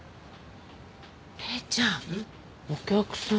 ヘイちゃんお客さん。